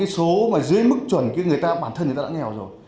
cái số mà dưới mức chuẩn bản thân người ta đã nghèo rồi